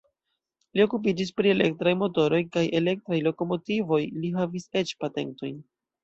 Li okupiĝis pri elektraj motoroj kaj elektraj lokomotivoj, li havis eĉ patentojn.